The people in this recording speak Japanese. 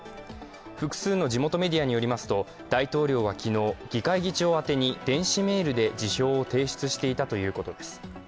複数の地元メディアによりますと、大統領は昨日、議会議長宛に電子メールで辞表を提出していたということです。